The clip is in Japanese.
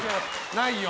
ないよ。